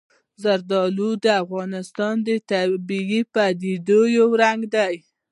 زردالو د افغانستان د طبیعي پدیدو یو رنګ دی.